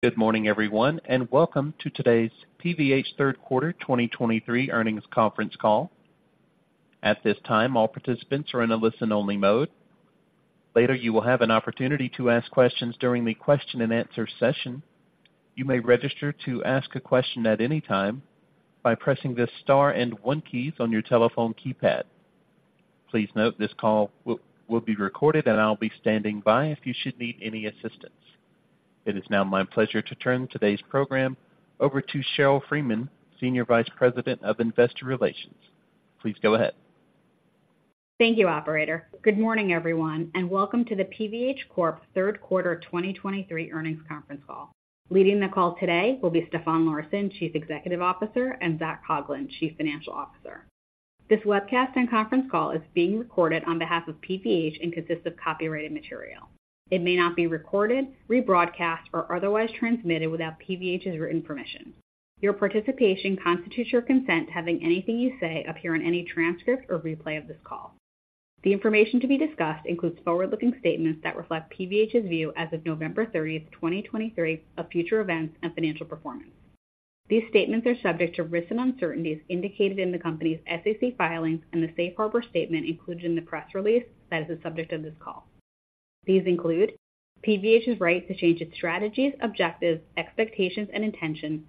Good morning, everyone, and welcome to today's PVH Third Quarter 2023 Earnings Conference Call. At this time, all participants are in a listen-only mode. Later, you will have an opportunity to ask questions during the question-and-answer session. You may register to ask a question at any time by pressing the star and one keys on your telephone keypad. Please note this call will be recorded, and I'll be standing by if you should need any assistance. It is now my pleasure to turn today's program over to Sheryl Freeman, Senior Vice President of Investor Relations. Please go ahead. Thank you, operator. Good morning, everyone, and welcome to the PVH Corp. Third Quarter 2023 Earnings Conference Call. Leading the call today will be Stefan Larsson, Chief Executive Officer, and Zac Coughlin, Chief Financial Officer. This webcast and conference call is being recorded on behalf of PVH and consists of copyrighted material. It may not be recorded, rebroadcast, or otherwise transmitted without PVH's written permission. Your participation constitutes your consent to having anything you say appear in any transcript or replay of this call. The information to be discussed includes forward-looking statements that reflect PVH's view as of November 30th, 2023, of future events and financial performance. These statements are subject to risks and uncertainties indicated in the company's SEC filings and the safe harbor statement included in the press release that is the subject of this call. These include PVH's right to change its strategies, objectives, expectations, and intentions,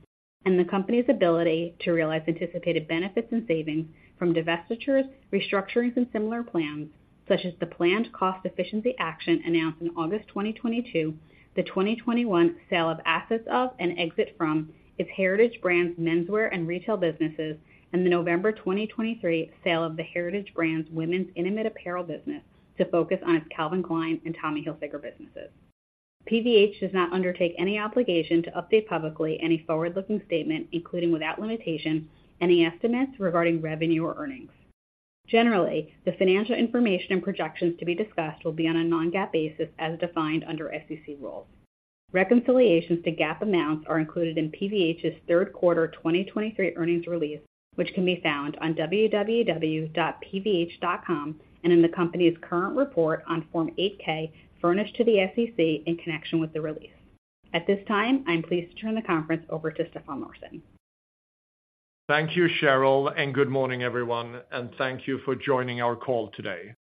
and the company's ability to realize anticipated benefits and savings from divestitures, restructurings, and similar plans, such as the planned cost efficiency action announced in August 2022, the 2021 sale of assets and exit from its Heritage Brands menswear and retail businesses, and the November 2023 sale of the Heritage Brands women's intimate apparel business to focus on its Calvin Klein and Tommy Hilfiger businesses. PVH does not undertake any obligation to update publicly any forward-looking statement, including, without limitation, any estimates regarding revenue or earnings. Generally, the financial information and projections to be discussed will be on a non-GAAP basis as defined under SEC rules. Reconciliations to GAAP amounts are included in PVH's third quarter 2023 earnings release, which can be found on www.pvh.com and in the company's current report on Form 8-K, furnished to the SEC in connection with the release. At this time, I'm pleased to turn the conference over to Stefan Larsson. Thank you, Sheryl, and good morning, everyone, and thank you for joining our call today.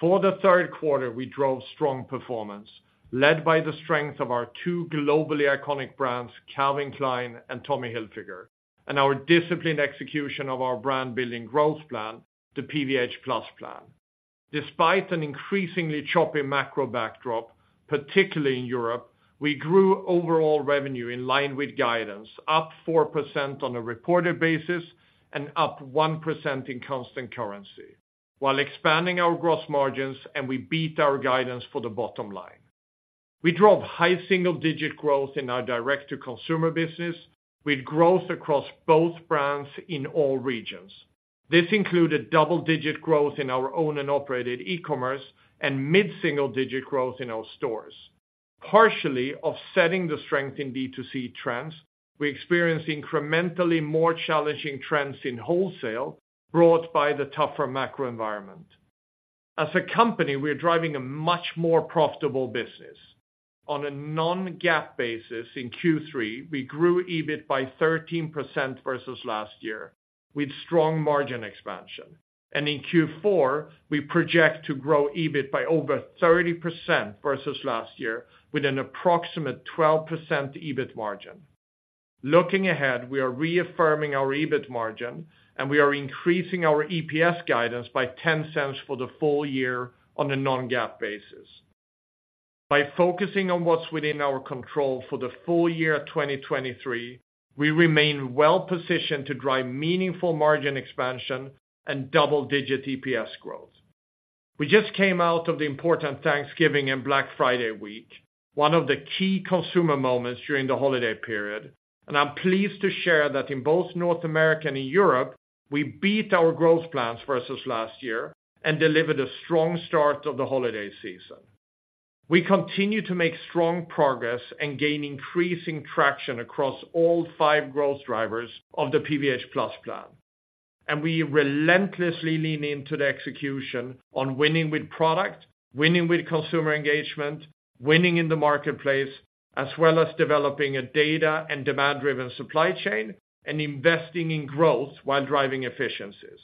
For the third quarter, we drove strong performance, led by the strength of our two globally iconic brands, Calvin Klein and Tommy Hilfiger, and our disciplined execution of our brand-building growth plan, the PVH+ Plan. Despite an increasingly choppy macro backdrop, particularly in Europe, we grew overall revenue in line with guidance, up 4% on a reported basis and up 1% in constant currency, while expanding our gross margins, and we beat our guidance for the bottom line. We drove high single-digit growth in our direct-to-consumer business, with growth across both brands in all regions. This included double-digit growth in our owned and operated e-commerce and mid-single-digit growth in our stores. Partially offsetting the strength in D2C trends, we experienced incrementally more challenging trends in wholesale, brought by the tougher macro environment. As a company, we are driving a much more profitable business. On a non-GAAP basis, in Q3, we grew EBIT by 13% versus last year, with strong margin expansion. In Q4, we project to grow EBIT by over 30% versus last year, with an approximate 12% EBIT margin. Looking ahead, we are reaffirming our EBIT margin, and we are increasing our EPS guidance by $0.10 for the full year on a non-GAAP basis. By focusing on what's within our control for the full year 2023, we remain well positioned to drive meaningful margin expansion and double-digit EPS growth. We just came out of the important Thanksgiving and Black Friday week, one of the key consumer moments during the holiday period, and I'm pleased to share that in both North America and in Europe, we beat our growth plans versus last year and delivered a strong start of the holiday season. We continue to make strong progress and gain increasing traction across all five growth drivers of the PVH+ Plan, and we relentlessly lean into the execution on winning with product, winning with consumer engagement, winning in the marketplace, as well as developing a data and demand-driven supply chain and investing in growth while driving efficiencies.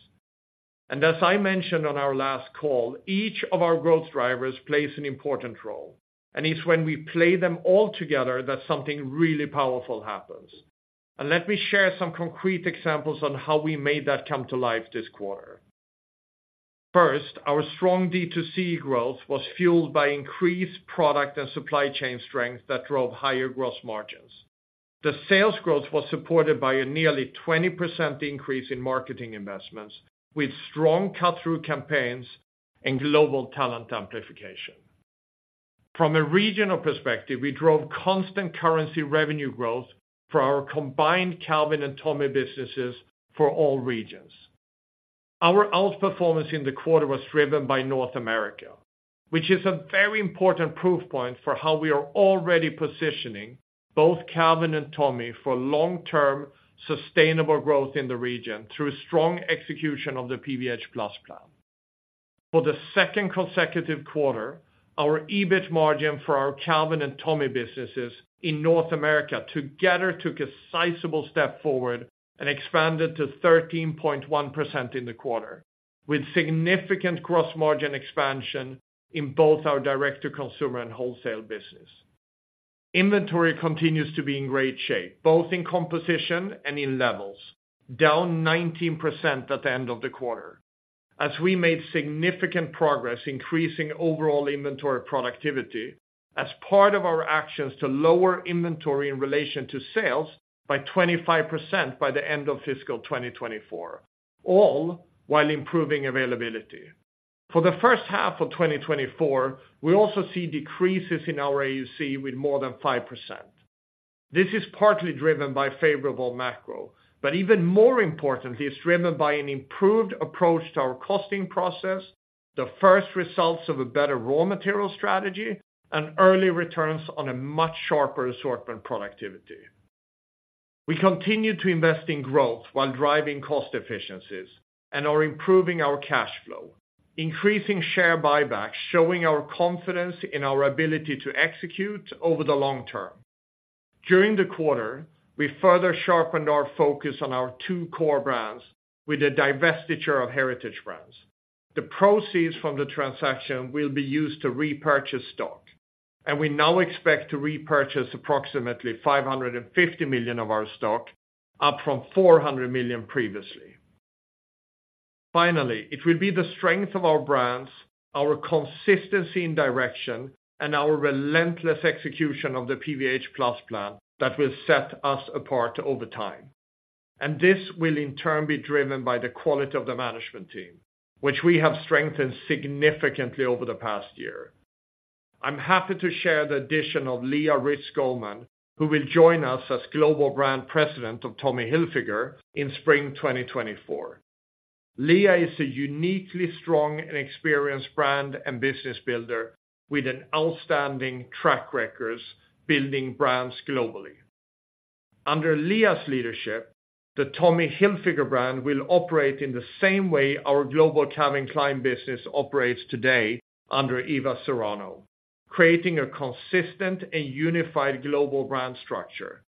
As I mentioned on our last call, each of our growth drivers plays an important role, and it's when we play them all together that something really powerful happens. Let me share some concrete examples on how we made that come to life this quarter. First, our strong D2C growth was fueled by increased product and supply chain strength that drove higher gross margins. The sales growth was supported by a nearly 20% increase in marketing investments, with strong cut-through campaigns and global talent amplification. From a regional perspective, we drove constant currency revenue growth for our combined Calvin and Tommy businesses for all regions. Our outperformance in the quarter was driven by North America, which is a very important proof point for how we are already positioning both Calvin and Tommy for long-term, sustainable growth in the region through strong execution of the PVH+ Plan. For the second consecutive quarter, our EBIT margin for our Calvin and Tommy businesses in North America together took a sizable step forward and expanded to 13.1% in the quarter, with significant gross margin expansion in both our direct-to-consumer and wholesale business. Inventory continues to be in great shape, both in composition and in levels, down 19% at the end of the quarter. As we made significant progress increasing overall inventory productivity as part of our actions to lower inventory in relation to sales by 25% by the end of fiscal 2024, all while improving availability. For the first half of 2024, we also see decreases in our AUC with more than 5%. This is partly driven by favorable macro, but even more importantly, it's driven by an improved approach to our costing process, the first results of a better raw material strategy, and early returns on a much sharper assortment productivity. We continue to invest in growth while driving cost efficiencies and are improving our cash flow, increasing share buybacks, showing our confidence in our ability to execute over the long term. During the quarter, we further sharpened our focus on our two core brands with the divestiture of Heritage Brands. The proceeds from the transaction will be used to repurchase stock, and we now expect to repurchase approximately $550 million of our stock, up from $400 million previously. Finally, it will be the strength of our brands, our consistency in direction, and our relentless execution of the PVH+ Plan that will set us apart over time. And this will, in turn, be driven by the quality of the management team, which we have strengthened significantly over the past year. I'm happy to share the addition of Lea Rytz Goldman, who will join us as Global Brand President of Tommy Hilfiger in Spring 2024. Lea is a uniquely strong and experienced brand and business builder with an outstanding track record building brands globally. Under Lea's leadership, the Tommy Hilfiger brand will operate in the same way our global Calvin Klein business operates today under Eva Serrano, creating a consistent and unified global brand structure.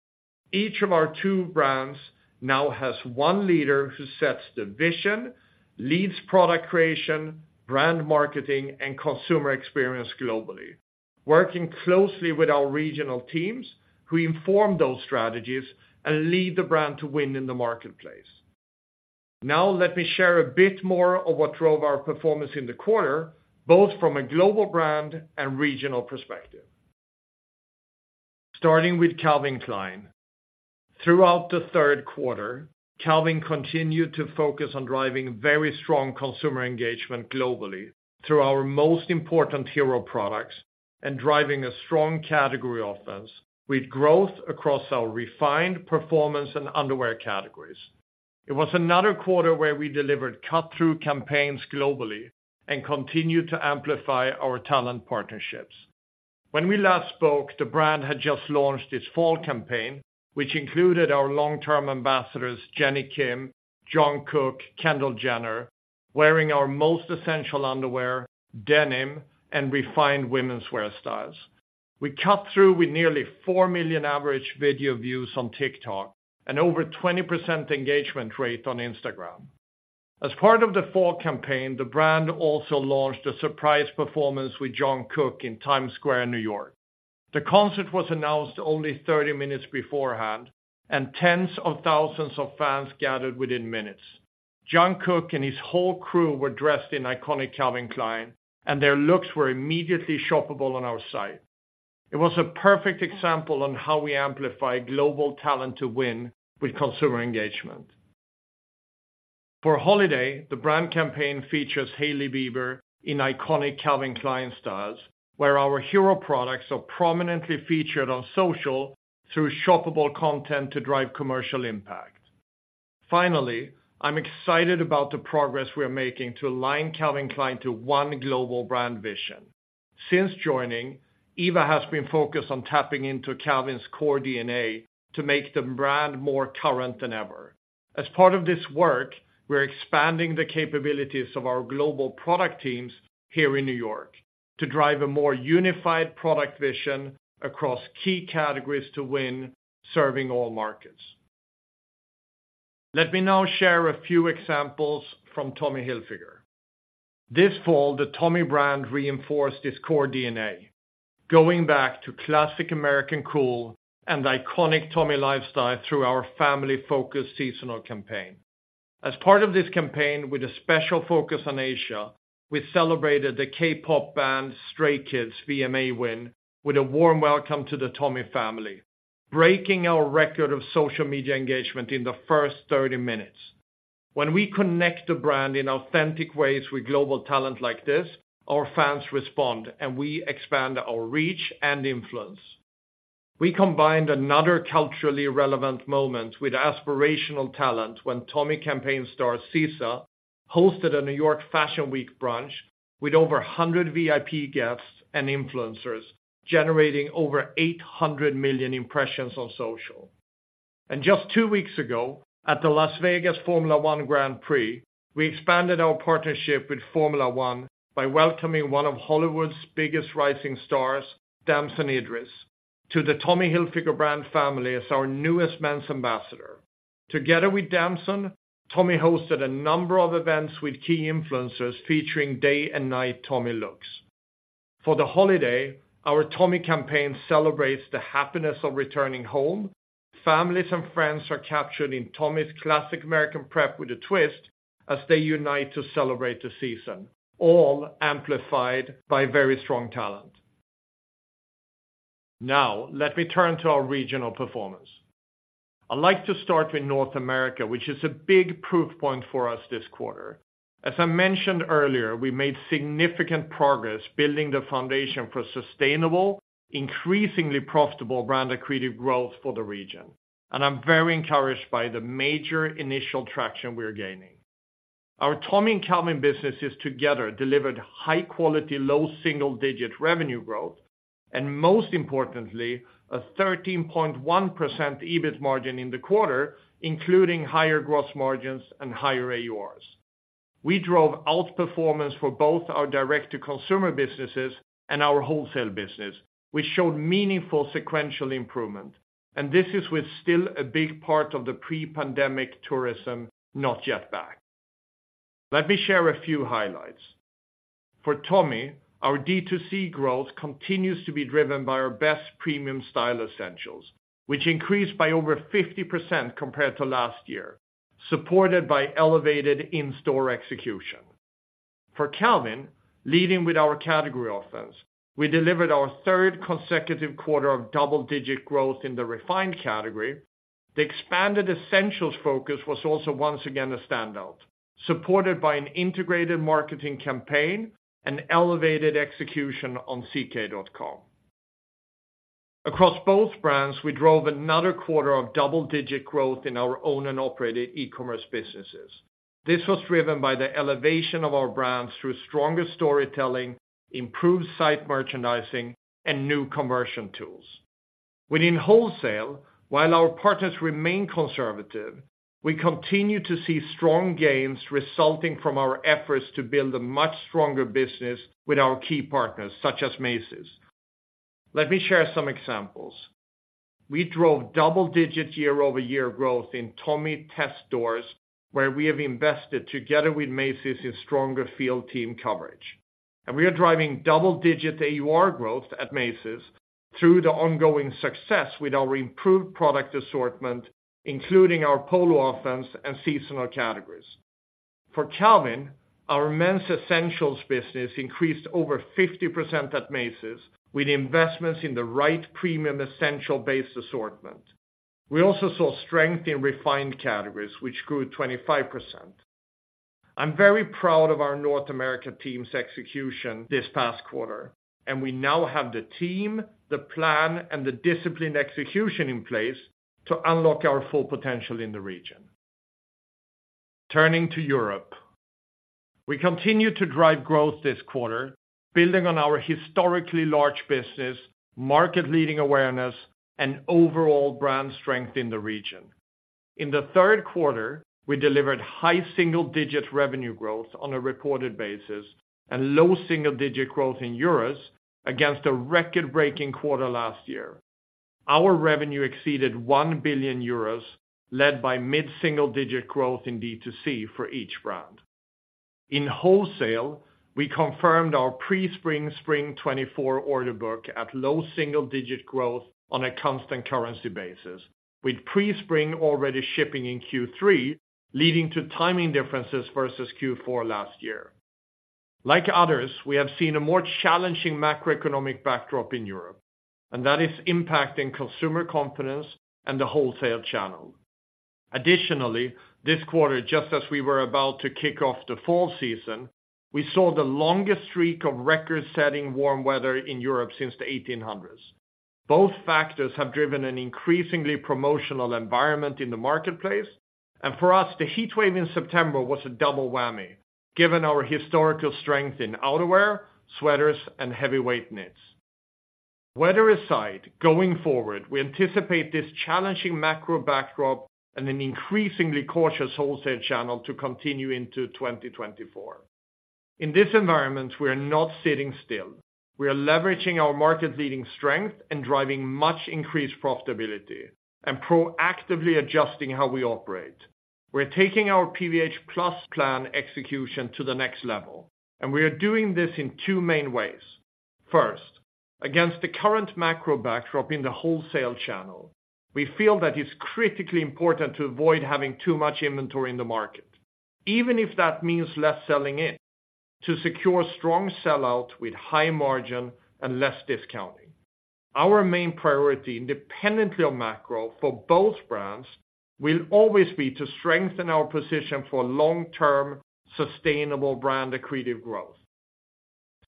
Each of our two brands now has one leader who sets the vision, leads product creation, brand marketing, and consumer experience globally, working closely with our regional teams, who inform those strategies and lead the brand to win in the marketplace. Now, let me share a bit more of what drove our performance in the quarter, both from a global brand and regional perspective. Starting with Calvin Klein. Throughout the third quarter, Calvin continued to focus on driving very strong consumer engagement globally through our most important hero products and driving a strong category offense, with growth across our refined performance and underwear categories. It was another quarter where we delivered cut-through campaigns globally and continued to amplify our talent partnerships. When we last spoke, the brand had just launched its fall campaign, which included our long-term ambassadors, Jennie Kim, Jungkook, Kendall Jenner, wearing our most essential underwear, denim, and refined womenswear styles. We cut through with nearly 4 million average video views on TikTok and over 20% engagement rate on Instagram. As part of the fall campaign, the brand also launched a surprise performance with Jungkook in Times Square, New York. The concert was announced only 30 minutes beforehand, and tens of thousands of fans gathered within minutes. Jungkook and his whole crew were dressed in iconic Calvin Klein, and their looks were immediately shoppable on our site. It was a perfect example on how we amplify global talent to win with consumer engagement. For holiday, the brand campaign features Hailey Bieber in iconic Calvin Klein styles, where our hero products are prominently featured on social through shoppable content to drive commercial impact. Finally, I'm excited about the progress we are making to align Calvin Klein to one global brand vision. Since joining, Eva has been focused on tapping into Calvin's core DNA to make the brand more current than ever. As part of this work, we're expanding the capabilities of our global product teams here in New York to drive a more unified product vision across key categories to win, serving all markets. Let me now share a few examples from Tommy Hilfiger. This fall, the Tommy brand reinforced its core DNA, going back to classic American cool and iconic Tommy lifestyle through our family-focused seasonal campaign. As part of this campaign, with a special focus on Asia, we celebrated the K-pop band Stray Kids' VMA win with a warm welcome to the Tommy family, breaking our record of social media engagement in the first 30 minutes. When we connect the brand in authentic ways with global talent like this, our fans respond, and we expand our reach and influence. We combined another culturally relevant moment with aspirational talent when Tommy campaign star SZA hosted a New York Fashion Week brunch with over 100 VIP guests and influencers, generating over 800 million impressions on social.... And just two weeks ago, at the Las Vegas Formula One Grand Prix, we expanded our partnership with Formula One by welcoming one of Hollywood's biggest rising stars, Damson Idris, to the Tommy Hilfiger brand family as our newest men's ambassador. Together with Damson, Tommy hosted a number of events with key influencers, featuring day and night Tommy looks. For the holiday, our Tommy campaign celebrates the happiness of returning home. Families and friends are captured in Tommy's classic American prep with a twist as they unite to celebrate the season, all amplified by very strong talent. Now, let me turn to our regional performance. I'd like to start with North America, which is a big proof point for us this quarter. As I mentioned earlier, we made significant progress building the foundation for sustainable, increasingly profitable, brand-accretive growth for the region, and I'm very encouraged by the major initial traction we are gaining. Our Tommy and Calvin businesses together delivered high-quality, low single-digit revenue growth, and most importantly, a 13.1% EBIT margin in the quarter, including higher gross margins and higher AURs. We drove outperformance for both our direct-to-consumer businesses and our wholesale business, which showed meaningful sequential improvement, and this is with still a big part of the pre-pandemic tourism not yet back. Let me share a few highlights. For Tommy, our D2C growth continues to be driven by our best premium style essentials, which increased by over 50% compared to last year, supported by elevated in-store execution. For Calvin, leading with our category offense, we delivered our third consecutive quarter of double-digit growth in the refined category. The expanded essentials focus was also, once again, a standout, supported by an integrated marketing campaign and elevated execution on ck.com. Across both brands, we drove another quarter of double-digit growth in our own and operated e-commerce businesses. This was driven by the elevation of our brands through stronger storytelling, improved site merchandising, and new conversion tools. Within wholesale, while our partners remain conservative, we continue to see strong gains resulting from our efforts to build a much stronger business with our key partners, such as Macy's. Let me share some examples. We drove double-digit year-over-year growth in Tommy test stores, where we have invested together with Macy's in stronger field team coverage. We are driving double-digit AUR growth at Macy's through the ongoing success with our improved product assortment, including our polo offense and seasonal categories. For Calvin, our men's essentials business increased over 50% at Macy's, with investments in the right premium, essential base assortment. We also saw strength in refined categories, which grew 25%. I'm very proud of our North America team's execution this past quarter, and we now have the team, the plan, and the disciplined execution in place to unlock our full potential in the region. Turning to Europe, we continued to drive growth this quarter, building on our historically large business, market-leading awareness, and overall brand strength in the region. In the third quarter, we delivered high single-digit revenue growth on a reported basis and low single-digit growth in euros against a record-breaking quarter last year. Our revenue exceeded 1 billion euros, led by mid-single-digit growth in D2C for each brand. In wholesale, we confirmed our Pre-Spring/Spring 2024 order book at low single-digit growth on a constant currency basis, with Pre-Spring shipping in Q3, leading to timing differences versus Q4 last year. Like others, we have seen a more challenging macroeconomic backdrop in Europe, and that is impacting consumer confidence and the wholesale channel. Additionally, this quarter, just as we were about to kick off the fall season, we saw the longest streak of record-setting warm weather in Europe since the 1800s. Both factors have driven an increasingly promotional environment in the marketplace, and for us, the heat wave in September was a double whammy, given our historical strength in outerwear, sweaters, and heavyweight knits. Weather aside, going forward, we anticipate this challenging macro backdrop and an increasingly cautious wholesale channel to continue into 2024. In this environment, we are not sitting still. We are leveraging our market-leading strength and driving much increased profitability and proactively adjusting how we operate. We're taking our PVH+ Plan execution to the next level, and we are doing this in two main ways. First, against the current macro backdrop in the wholesale channel, we feel that it's critically important to avoid having too much inventory in the market, even if that means less selling in, to secure strong sell-out with high margin and less discounting. Our main priority, independently of macro for both brands, will always be to strengthen our position for long-term, sustainable, brand-accretive growth.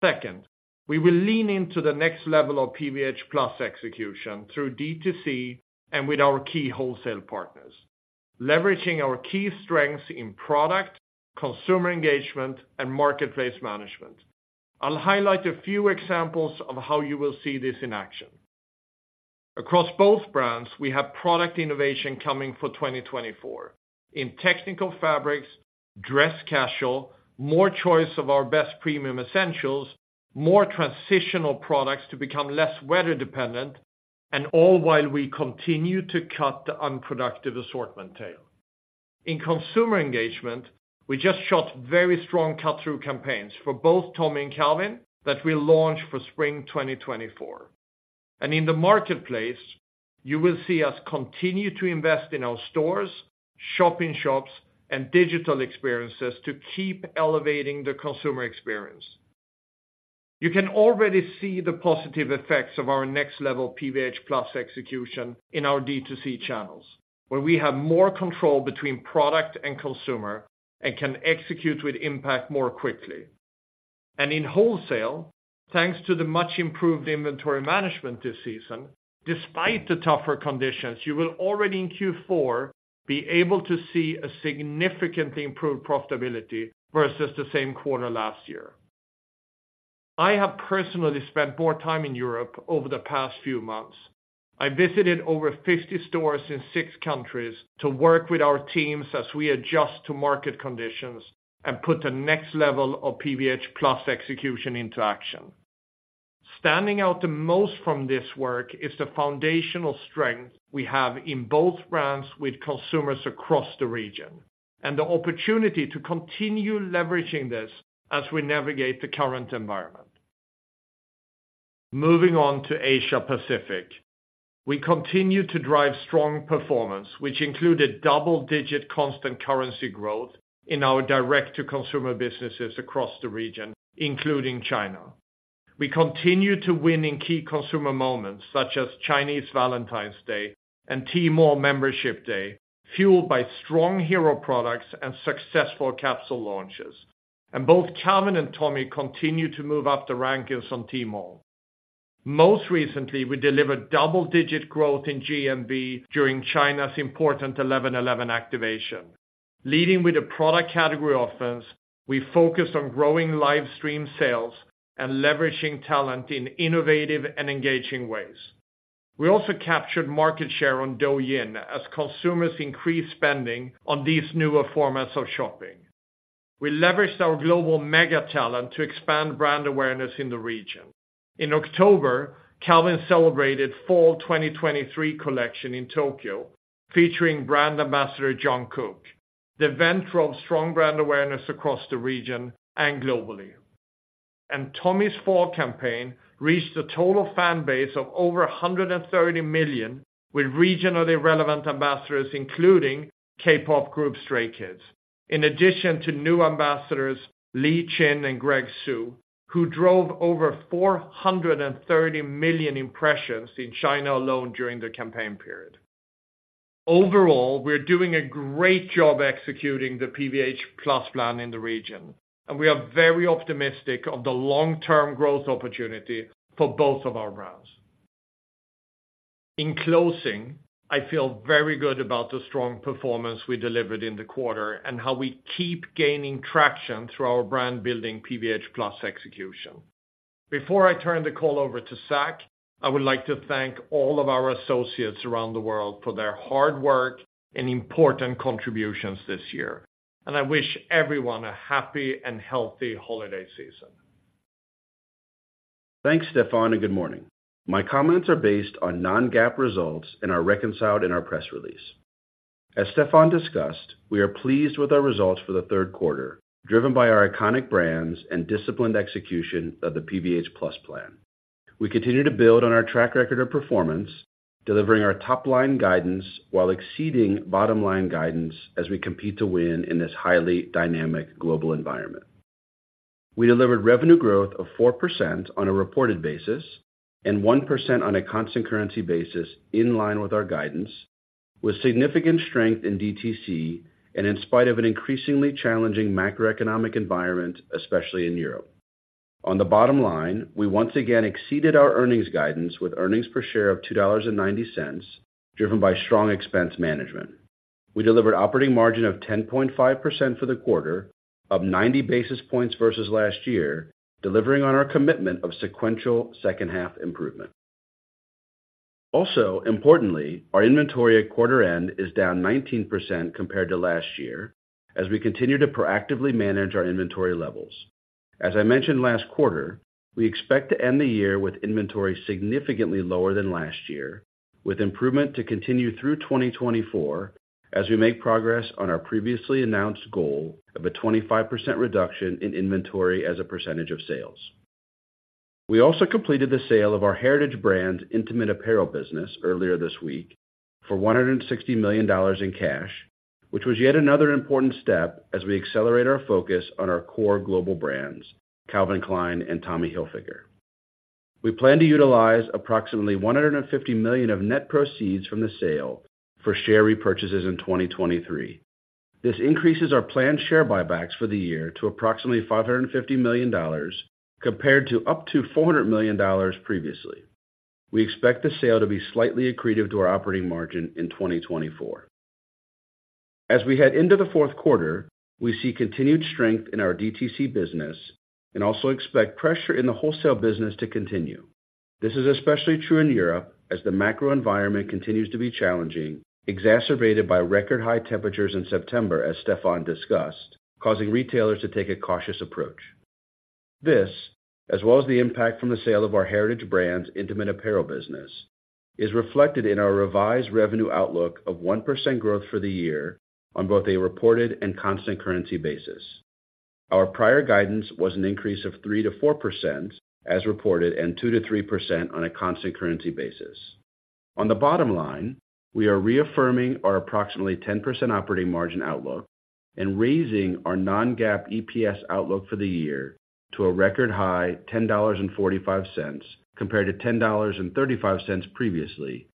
Second, we will lean into the next level of PVH+ execution through D2C and with our key wholesale partners, leveraging our key strengths in product, consumer engagement, and marketplace management.... I'll highlight a few examples of how you will see this in action. Across both brands, we have product innovation coming for 2024. In technical fabrics, dress casual, more choice of our best premium essentials, more transitional products to become less weather dependent, and all while we continue to cut the unproductive assortment tail. In consumer engagement, we just shot very strong cut-through campaigns for both Tommy and Calvin that we'll launch for Spring 2024. In the marketplace, you will see us continue to invest in our stores, shop-in-shops, and digital experiences to keep elevating the consumer experience. You can already see the positive effects of our next level PVH+ execution in our D2C channels, where we have more control between product and consumer and can execute with impact more quickly. In wholesale, thanks to the much improved inventory management this season, despite the tougher conditions, you will already in Q4 be able to see a significantly improved profitability versus the same quarter last year. I have personally spent more time in Europe over the past few months. I visited over 50 stores in six countries to work with our teams as we adjust to market conditions and put the next level of PVH+ execution into action. Standing out the most from this work is the foundational strength we have in both brands with consumers across the region, and the opportunity to continue leveraging this as we navigate the current environment. Moving on to Asia Pacific. We continue to drive strong performance, which included double-digit constant currency growth in our direct-to-consumer businesses across the region, including China. We continue to win in key consumer moments, such as Chinese Valentine's Day and Tmall Membership Day, fueled by strong hero products and successful capsule launches. Both Calvin and Tommy continue to move up the rankings on Tmall. Most recently, we delivered double-digit growth in GMV during China's important 11.11 activation. Leading with a product category offense, we focused on growing live stream sales and leveraging talent in innovative and engaging ways. We also captured market share on Douyin as consumers increased spending on these newer formats of shopping. We leveraged our global mega talent to expand brand awareness in the region. In October, Calvin celebrated Fall 2023 collection in Tokyo, featuring brand ambassador, Jungkook. The event drove strong brand awareness across the region and globally. Tommy's fall campaign reached a total fan base of over 130 million, with regionally relevant ambassadors, including K-pop group, Stray Kids. In addition to new ambassadors, Li Qin and Greg Hsu, who drove over 430 million impressions in China alone during the campaign period. Overall, we're doing a great job executing the PVH+ Plan in the region, and we are very optimistic of the long-term growth opportunity for both of our brands. In closing, I feel very good about the strong performance we delivered in the quarter and how we keep gaining traction through our brand-building PVH+ Plan execution. Before I turn the call over to Zac, I would like to thank all of our associates around the world for their hard work and important contributions this year, and I wish everyone a happy and healthy holiday season. Thanks, Stefan, and good morning. My comments are based on non-GAAP results and are reconciled in our press release. As Stefan discussed, we are pleased with our results for the third quarter, driven by our iconic brands and disciplined execution of the PVH+ Plan. We continue to build on our track record of performance, delivering our top-line guidance while exceeding bottom-line guidance as we compete to win in this highly dynamic global environment. We delivered revenue growth of 4% on a reported basis and 1% on a constant currency basis, in line with our guidance, with significant strength in DTC, and in spite of an increasingly challenging macroeconomic environment, especially in Europe. On the bottom line, we once again exceeded our earnings guidance with earnings per share of $2.90, driven by strong expense management. We delivered operating margin of 10.5% for the quarter, up 90 basis points versus last year, delivering on our commitment of sequential second half improvement. Also, importantly, our inventory at quarter end is down 19% compared to last year, as we continue to proactively manage our inventory levels. As I mentioned last quarter, we expect to end the year with inventory significantly lower than last year, with improvement to continue through 2024, as we make progress on our previously announced goal of a 25% reduction in inventory as a percentage of sales. We also completed the sale of our Heritage Brand, Intimate Apparel business, earlier this week for $160 million in cash, which was yet another important step as we accelerate our focus on our core global brands, Calvin Klein and Tommy Hilfiger. We plan to utilize approximately $150 million of net proceeds from the sale for share repurchases in 2023. This increases our planned share buybacks for the year to approximately $550 million, compared to up to $400 million previously. We expect the sale to be slightly accretive to our operating margin in 2024. As we head into the fourth quarter, we see continued strength in our DTC business and also expect pressure in the wholesale business to continue. This is especially true in Europe, as the macro environment continues to be challenging, exacerbated by record high temperatures in September, as Stefan discussed, causing retailers to take a cautious approach. This, as well as the impact from the sale of our heritage brands' intimate apparel business, is reflected in our revised revenue outlook of 1% growth for the year on both a reported and constant currency basis. Our prior guidance was an increase of 3%-4% as reported, and 2%-3% on a constant currency basis. On the bottom line, we are reaffirming our approximately 10% operating margin outlook and raising our non-GAAP EPS outlook for the year to a record high $10.45, compared to $10.35 previously,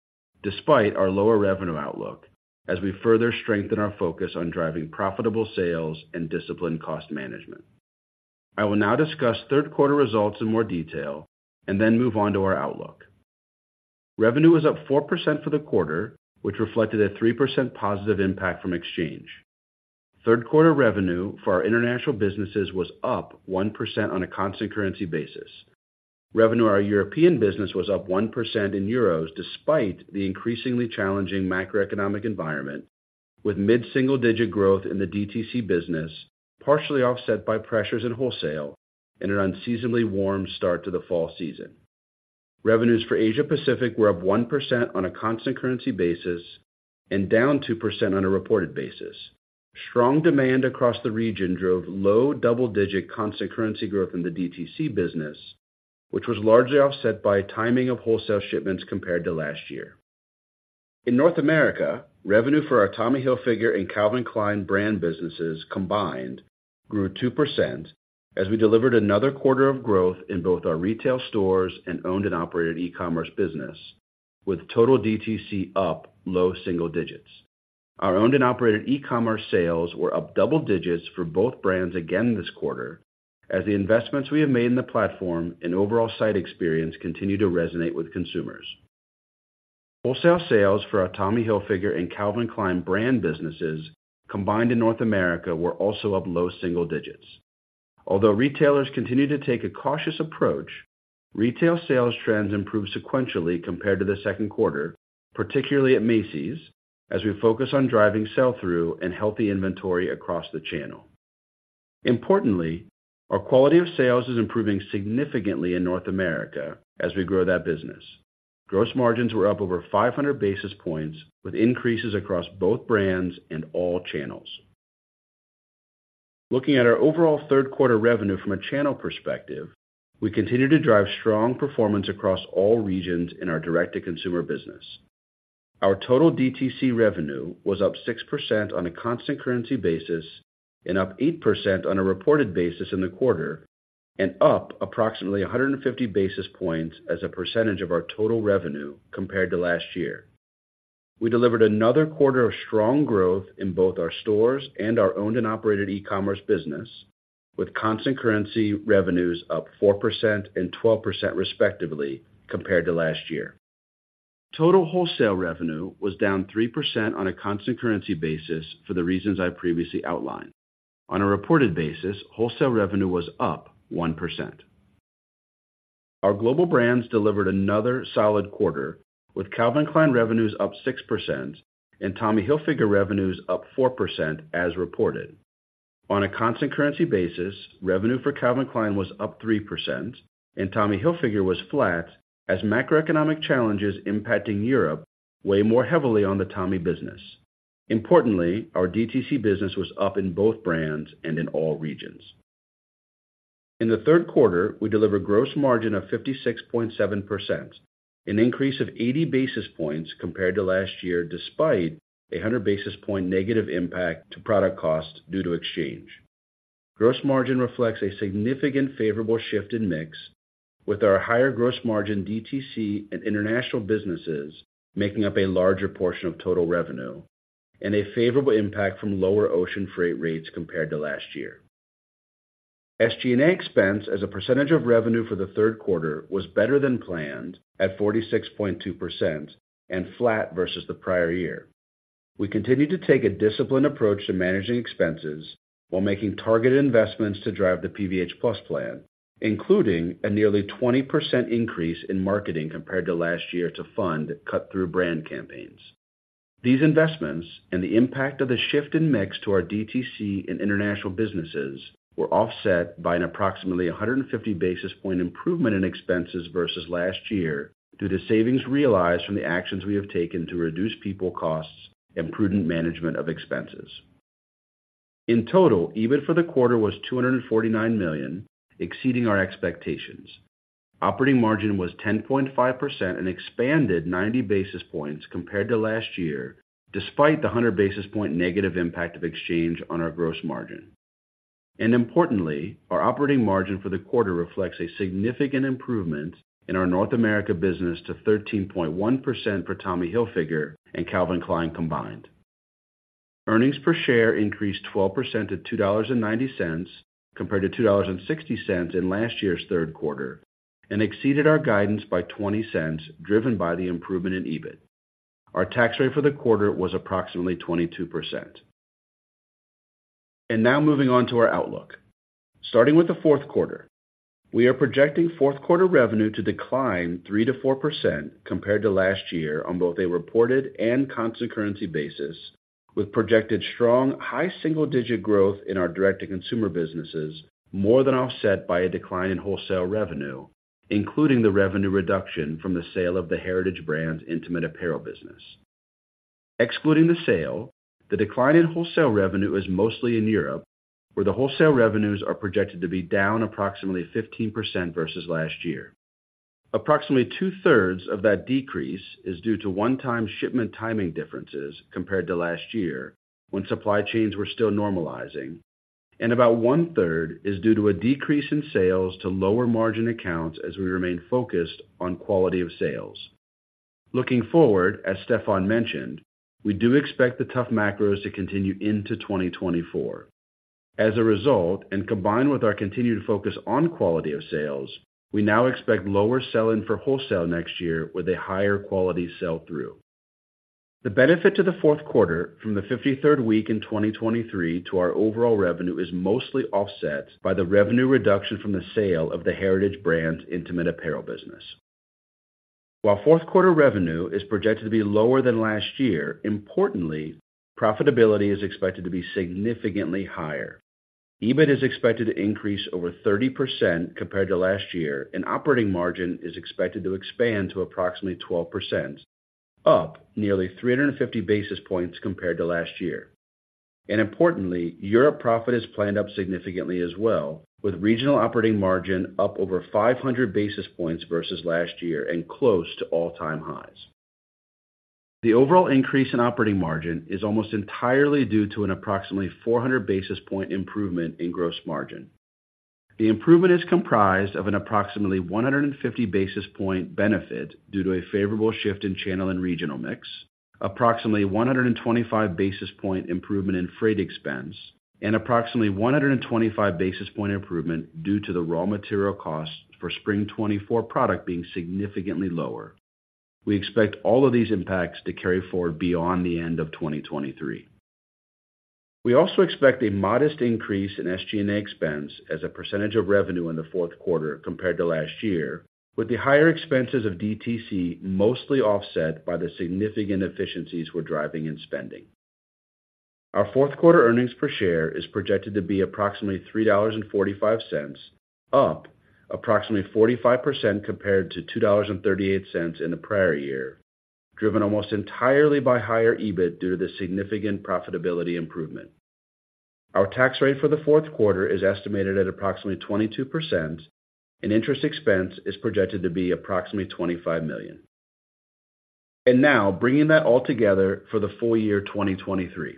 despite our lower revenue outlook, as we further strengthen our focus on driving profitable sales and disciplined cost management. I will now discuss third quarter results in more detail and then move on to our outlook. Revenue was up 4% for the quarter, which reflected a 3% positive impact from exchange. Third quarter revenue for our international businesses was up 1% on a constant currency basis. Revenue for our European business was up 1% in euros, despite the increasingly challenging macroeconomic environment, with mid-single-digit growth in the D2C business, partially offset by pressures in wholesale and an unseasonably warm start to the fall season. Revenues for Asia Pacific were up 1% on a constant currency basis and down 2% on a reported basis. Strong demand across the region drove low double-digit constant currency growth in the D2C business, which was largely offset by timing of wholesale shipments compared to last year. In North America, revenue for our Tommy Hilfiger and Calvin Klein brand businesses combined grew 2%, as we delivered another quarter of growth in both our retail stores and owned and operated e-commerce business, with total DTC up low single digits. Our owned and operated e-commerce sales were up double digits for both brands again this quarter, as the investments we have made in the platform and overall site experience continue to resonate with consumers. Wholesale sales for our Tommy Hilfiger and Calvin Klein brand businesses, combined in North America, were also up low single digits. Although retailers continue to take a cautious approach, retail sales trends improved sequentially compared to the second quarter, particularly at Macy's, as we focus on driving sell-through and healthy inventory across the channel. Importantly, our quality of sales is improving significantly in North America as we grow that business. Gross margins were up over 500 basis points, with increases across both brands and all channels. Looking at our overall third quarter revenue from a channel perspective, we continue to drive strong performance across all regions in our direct-to-consumer business. Our total DTC revenue was up 6% on a constant currency basis and up 8% on a reported basis in the quarter, and up approximately 150 basis points as a percentage of our total revenue compared to last year. We delivered another quarter of strong growth in both our stores and our owned and operated e-commerce business, with constant currency revenues up 4% and 12% respectively compared to last year. Total wholesale revenue was down 3% on a constant currency basis for the reasons I previously outlined. On a reported basis, wholesale revenue was up 1%. Our global brands delivered another solid quarter, with Calvin Klein revenues up 6% and Tommy Hilfiger revenues up 4% as reported. On a constant currency basis, revenue for Calvin Klein was up 3% and Tommy Hilfiger was flat, as macroeconomic challenges impacting Europe weigh more heavily on the Tommy business. Importantly, our DTC business was up in both brands and in all regions. In the third quarter, we delivered gross margin of 56.7%, an increase of 80 basis points compared to last year, despite a 100 basis point negative impact to product cost due to exchange. Gross margin reflects a significant favorable shift in mix with our higher gross margin DTC and international businesses, making up a larger portion of total revenue and a favorable impact from lower ocean freight rates compared to last year. SG&A expense as a percentage of revenue for the third quarter was better than planned at 46.2% and flat versus the prior year. We continued to take a disciplined approach to managing expenses while making targeted investments to drive the PVH+ Plan, including a nearly 20% increase in marketing compared to last year to fund cut-through brand campaigns. These investments and the impact of the shift in mix to our DTC and international businesses were offset by an approximately 150 basis point improvement in expenses versus last year, due to savings realized from the actions we have taken to reduce people costs and prudent management of expenses. In total, EBIT for the quarter was $249 million, exceeding our expectations. Operating margin was 10.5% and expanded 90 basis points compared to last year, despite the 100 basis point negative impact of exchange on our gross margin. Importantly, our operating margin for the quarter reflects a significant improvement in our North America business to 13.1% for Tommy Hilfiger and Calvin Klein combined. Earnings per share increased 12% to $2.90, compared to $2.60 in last year's third quarter and exceeded our guidance by $0.20, driven by the improvement in EBIT. Our tax rate for the quarter was approximately 22%. Now moving on to our outlook. Starting with the fourth quarter, we are projecting fourth quarter revenue to decline 3%-4% compared to last year on both a reported and constant currency basis, with projected strong, high single-digit growth in our direct-to-consumer businesses, more than offset by a decline in wholesale revenue, including the revenue reduction from the sale of the Heritage Brands Intimate Apparel business. Excluding the sale, the decline in wholesale revenue is mostly in Europe, where the wholesale revenues are projected to be down approximately 15% versus last year. Approximately 2/3 of that decrease is due to one-time shipment timing differences compared to last year, when supply chains were still normalizing, and about one-third is due to a decrease in sales to lower margin accounts as we remain focused on quality of sales. Looking forward, as Stefan mentioned, we do expect the tough macros to continue into 2024. As a result, and combined with our continued focus on quality of sales, we now expect lower sell-in for wholesale next year with a higher quality sell-through. The benefit to the fourth quarter from the 53rd week in 2023 to our overall revenue is mostly offset by the revenue reduction from the sale of the Heritage Brands Intimate Apparel business. While fourth quarter revenue is projected to be lower than last year, importantly, profitability is expected to be significantly higher. EBIT is expected to increase over 30% compared to last year, and operating margin is expected to expand to approximately 12%, up nearly 350 basis points compared to last year. Importantly, Europe profit is planned up significantly as well, with regional operating margin up over 500 basis points versus last year and close to all-time highs. The overall increase in operating margin is almost entirely due to an approximately 400 basis point improvement in gross margin. The improvement is comprised of an approximately 150 basis point benefit due to a favorable shift in channel and regional mix, approximately 125 basis point improvement in freight expense, and approximately 125 basis point improvement due to the raw material costs for Spring 2024 product being significantly lower. We expect all of these impacts to carry forward beyond the end of 2023. We also expect a modest increase in SG&A expense as a percentage of revenue in the fourth quarter compared to last year, with the higher expenses of DTC mostly offset by the significant efficiencies we're driving in spending. Our fourth quarter earnings per share is projected to be approximately $3.45, up approximately 45% compared to $2.38 in the prior year, driven almost entirely by higher EBIT due to the significant profitability improvement. Our tax rate for the fourth quarter is estimated at approximately 22%, and interest expense is projected to be approximately $25 million. Now bringing that all together for the full year 2023.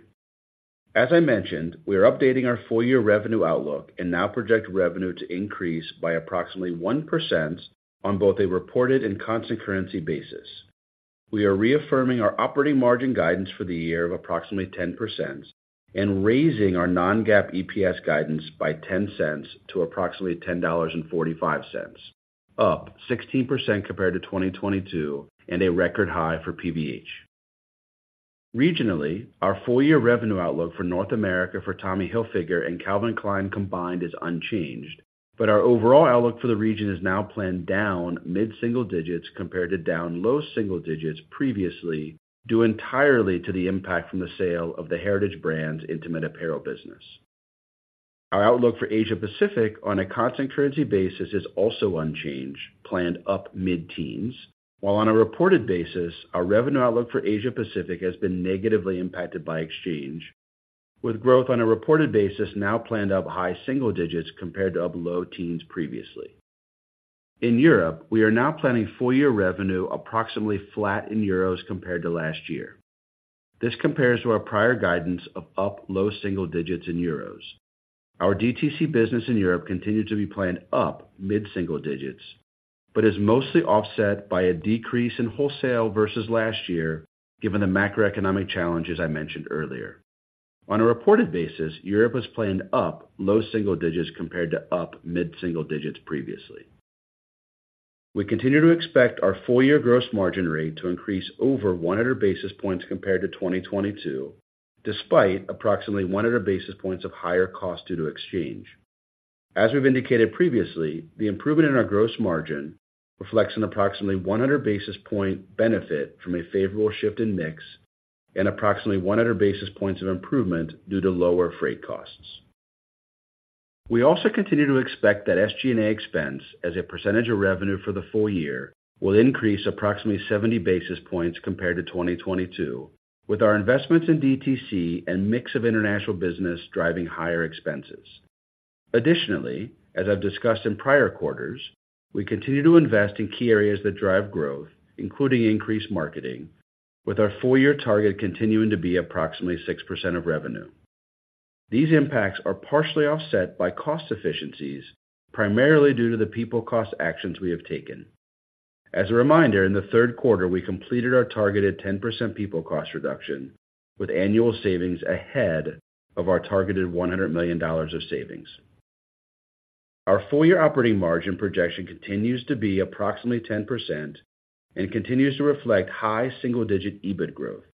As I mentioned, we are updating our full-year revenue outlook and now project revenue to increase by approximately 1% on both a reported and constant currency basis. We are reaffirming our operating margin guidance for the year of approximately 10% and raising our non-GAAP EPS guidance by $0.10 to approximately $10.45, up 16% compared to 2022 and a record high for PVH. Regionally, our full-year revenue outlook for North America for Tommy Hilfiger and Calvin Klein combined is unchanged, but our overall outlook for the region is now planned down mid-single digits compared to down low double single digits previously, due entirely to the impact from the sale of the Heritage Brands Intimate Apparel business. Our outlook for Asia Pacific on a constant currency basis is also unchanged, planned up mid-teens, while on a reported basis, our revenue outlook for Asia Pacific has been negatively impacted by exchange, with growth on a reported basis now planned up high single digits compared to up low teens previously. In Europe, we are now planning full year revenue approximately flat in euros compared to last year. This compares to our prior guidance of up low single digits in euros. Our DTC business in Europe continued to be planned up mid-single digits, but is mostly offset by a decrease in wholesale versus last year, given the macroeconomic challenges I mentioned earlier. On a reported basis, Europe was planned up low-single digits compared to up mid-single digits previously. We continue to expect our full-year gross margin rate to increase over 100 basis points compared to 2022, despite approximately 100 basis points of higher cost due to exchange. As we've indicated previously, the improvement in our gross margin reflects an approximately 100 basis point benefit from a favorable shift in mix and approximately 100 basis points of improvement due to lower freight costs. We also continue to expect that SG&A expense as a percentage of revenue for the full year will increase approximately 70 basis points compared to 2022, with our investments in DTC and mix of international business driving higher expenses. Additionally, as I've discussed in prior quarters, we continue to invest in key areas that drive growth, including increased marketing, with our full year target continuing to be approximately 6% of revenue. These impacts are partially offset by cost efficiencies, primarily due to the people cost actions we have taken. As a reminder, in the third quarter, we completed our targeted 10% people cost reduction, with annual savings ahead of our targeted $100 million of savings. Our full year operating margin projection continues to be approximately 10% and continues to reflect high single-digit EBIT growth.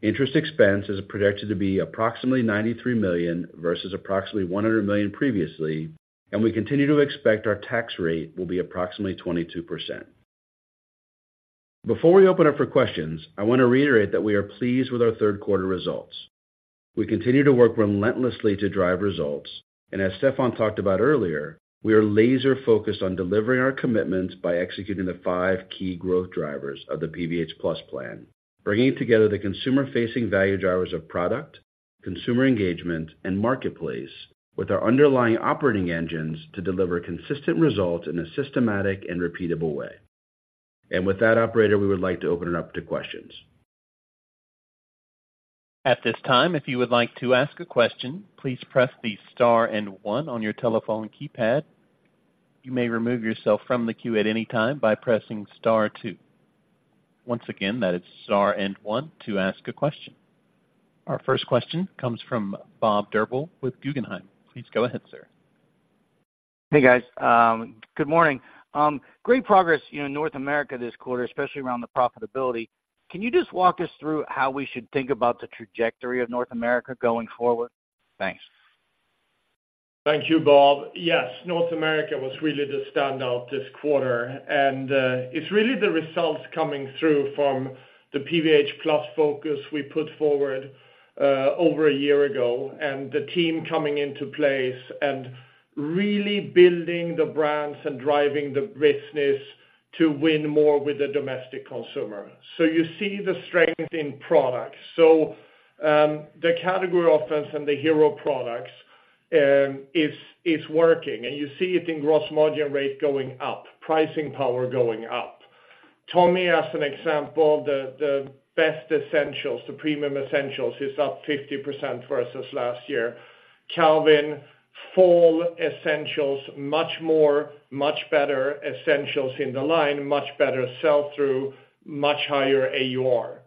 Interest expense is projected to be approximately $93 million versus approximately $100 million previously, and we continue to expect our tax rate will be approximately 22%. Before we open up for questions, I want to reiterate that we are pleased with our third quarter results. We continue to work relentlessly to drive results, and as Stefan talked about earlier, we are laser focused on delivering our commitments by executing the five key growth drivers of the PVH+ Plan, bringing together the consumer-facing value drivers of product, consumer engagement, and marketplace, with our underlying operating engines to deliver consistent results in a systematic and repeatable way. And with that, operator, we would like to open it up to questions. At this time, if you would like to ask a question, please press the star and one on your telephone keypad. You may remove yourself from the queue at any time by pressing star two. Once again, that is star and one to ask a question. Our first question comes from Bob Drbul with Guggenheim. Please go ahead, sir. Hey, guys, good morning. Great progress, you know, in North America this quarter, especially around the profitability. Can you just walk us through how we should think about the trajectory of North America going forward? Thanks. Thank you, Bob. Yes, North America was really the standout this quarter, and it's really the results coming through from the PVH Plus focus we put forward over a year ago, and the team coming into place and really building the brands and driving the business to win more with the domestic consumer. So you see the strength in products. So the category offense and the hero products is working, and you see it in gross margin rate going up, pricing power going up. Tommy, as an example, the best essentials, the premium essentials, is up 50% versus last year. Calvin, fall essentials, much more, much better essentials in the line, much better sell-through, much higher AUR.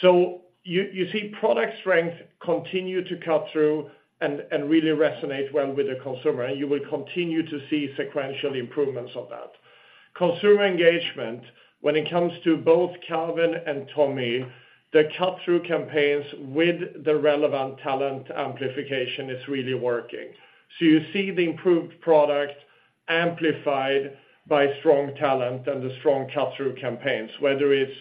So you, you see product strength continue to cut through and, and really resonate well with the consumer, and you will continue to see sequential improvements of that. Consumer engagement, when it comes to both Calvin and Tommy, the cut-through campaigns with the relevant talent amplification is really working. So you see the improved product amplified by strong talent and the strong cut-through campaigns, whether it's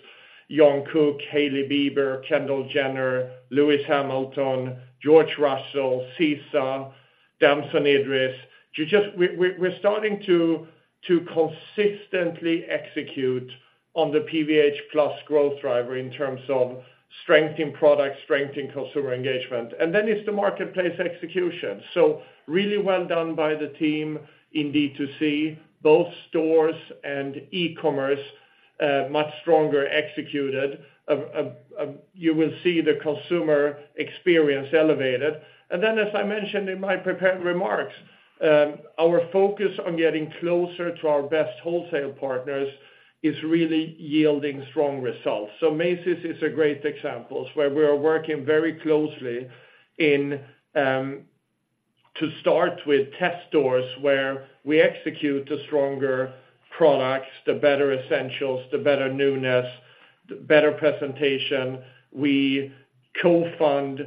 Jungkook, Hailey Bieber, Kendall Jenner, Lewis Hamilton, George Russell, SZA, Damson Idris. You just we, we, we're starting to, to consistently execute on the PVH+ growth driver in terms of strength in products, strength in consumer engagement. And then it's the marketplace execution. So really well done by the team in D2C, both stores and e-commerce, much stronger executed. You will see the consumer experience elevated. And then, as I mentioned in my prepared remarks, our focus on getting closer to our best wholesale partners is really yielding strong results. So Macy's is a great example, where we are working very closely to start with test stores, where we execute the stronger products, the better essentials, the better newness, the better presentation. We co-fund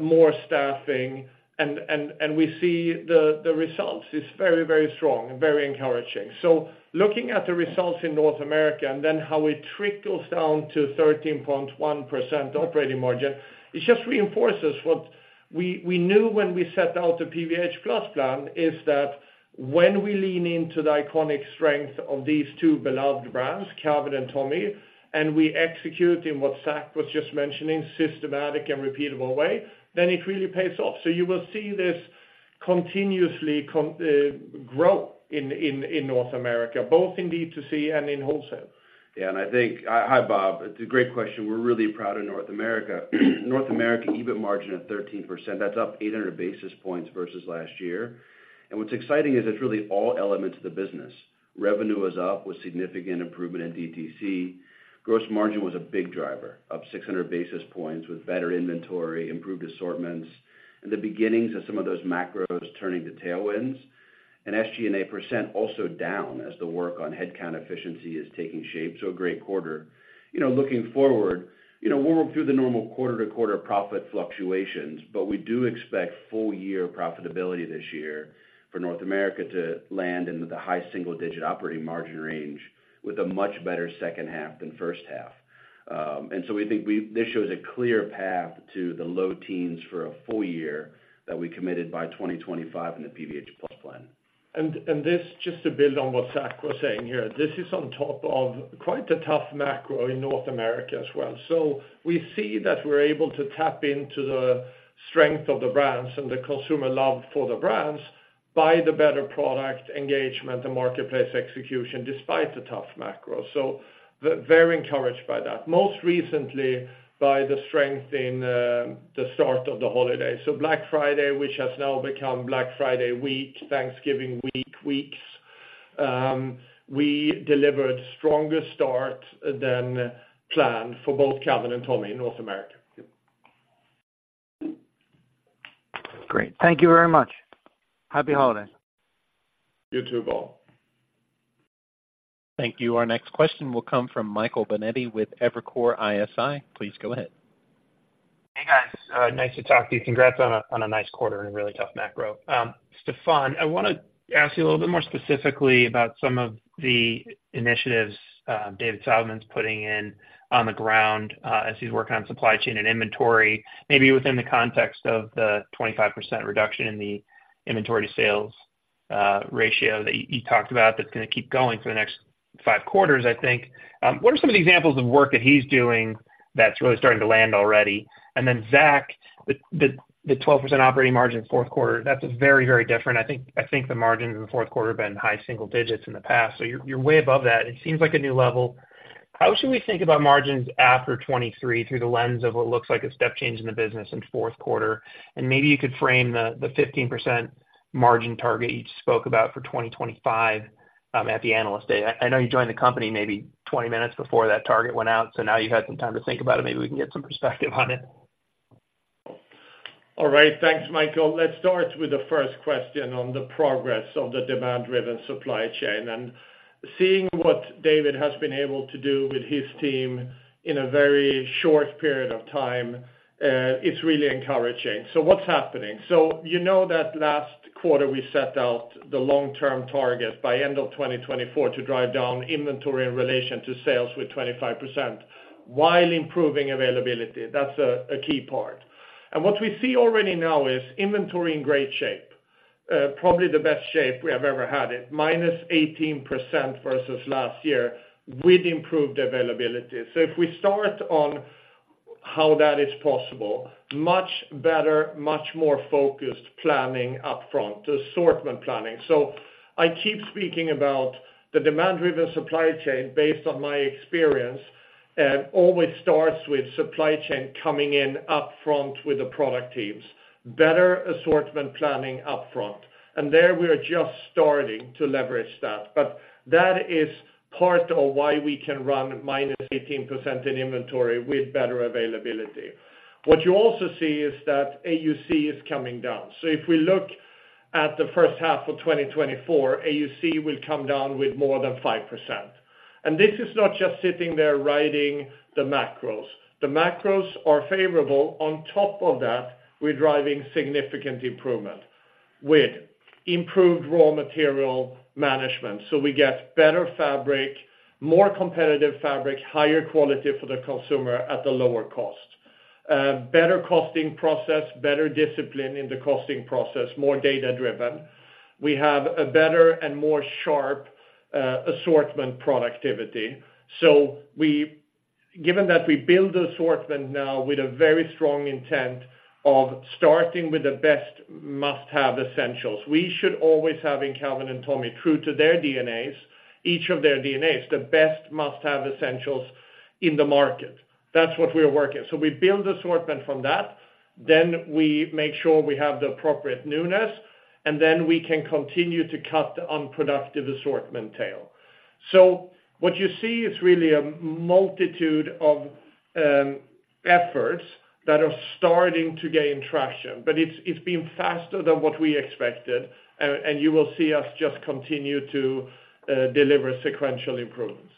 more staffing, and we see the results. It's very, very strong and very encouraging. So looking at the results in North America and then how it trickles down to 13.1% operating margin, it just reinforces what we knew when we set out the PVH+ Plan, is that when we lean into the iconic strength of these two beloved brands, Calvin and Tommy, and we execute in what Zac was just mentioning, systematic and repeatable way, then it really pays off. So you will see this continuously grow in North America, both in D2C and in wholesale. Yeah, and I think... Hi, Bob. It's a great question. We're really proud of North America. North America EBIT margin of 13%, that's up 800 basis points versus last year. And what's exciting is it's really all elements of the business. Revenue was up with significant improvement in DTC. Gross margin was a big driver, up 600 basis points with better inventory, improved assortments, and the beginnings of some of those macros turning to tailwinds. And SG&A % also down, as the work on headcount efficiency is taking shape. So a great quarter. You know, looking forward, you know, we'll work through the normal quarter-to-quarter profit fluctuations, but we do expect full year profitability this year for North America to land in the high single digit operating margin range with a much better second half than first half. And so we think this shows a clear path to the low teens for a full year that we committed by 2025 in the PVH+ Plan. This, just to build on what Zac was saying here, this is on top of quite a tough macro in North America as well. We see that we're able to tap into the strength of the brands and the consumer love for the brands by the better product engagement and marketplace execution, despite the tough macro. Very encouraged by that. Most recently, by the strength in the start of the holiday. Black Friday, which has now become Black Friday week, Thanksgiving week, weeks, we delivered stronger start than planned for both Calvin and Tommy in North America. Great. Thank you very much. Happy holidays. You too, Paul. Thank you. Our next question will come from Michael Binetti with Evercore ISI. Please go ahead. Hey, guys. Nice to talk to you. Congrats on a nice quarter in a really tough macro. Stefan, I want to ask you a little bit more specifically about some of the initiatives David Savman's putting in on the ground as he's working on supply chain and inventory, maybe within the context of the 25% reduction in the inventory sales ratio that you talked about, that's gonna keep going for the next five quarters, I think. What are some of the examples of work that he's doing that's really starting to land already? And then, Zac, the 12% operating margin, fourth quarter, that's very, very different. I think the margin in the fourth quarter have been high single digits in the past, so you're way above that. It seems like a new level. How should we think about margins after 2023 through the lens of what looks like a step change in the business in fourth quarter? And maybe you could frame the 15% margin target you each spoke about for 2025 at the Analyst Day. I know you joined the company maybe 20 minutes before that target went out, so now you've had some time to think about it. Maybe we can get some perspective on it. All right. Thanks, Michael. Let's start with the first question on the progress of the demand-driven supply chain. Seeing what David has been able to do with his team in a very short period of time is really encouraging. So what's happening? So you know that last quarter, we set out the long-term target by end of 2024 to drive down inventory in relation to sales with 25% while improving availability. That's a key part. And what we see already now is inventory in great shape, probably the best shape we have ever had it, -18% versus last year, with improved availability. So if we start on how that is possible, much better, much more focused planning upfront, the assortment planning. So I keep speaking about the demand-driven supply chain based on my experience, always starts with supply chain coming in upfront with the product teams, better assortment planning upfront, and there we are just starting to leverage that. But that is part of why we can run minus 18% in inventory with better availability. What you also see is that AUC is coming down. So if we look at the first half of 2024, AUC will come down with more than 5%. And this is not just sitting there riding the macros. The macros are favorable. On top of that, we're driving significant improvement with improved raw material management, so we get better fabric, more competitive fabric, higher quality for the consumer at a lower cost. Better costing process, better discipline in the costing process, more data-driven. We have a better and more sharp assortment productivity. So given that we build the assortment now with a very strong intent of starting with the best must-have essentials, we should always have in Calvin and Tommy, true to their DNAs, each of their DNAs, the best must-have essentials in the market. That's what we are working. So we build assortment from that, then we make sure we have the appropriate newness, and then we can continue to cut the unproductive assortment tail. So what you see is really a multitude of efforts that are starting to gain traction, but it's been faster than what we expected, and you will see us just continue to deliver sequential improvements.